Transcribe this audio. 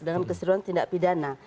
dengan keseruan tindak pidana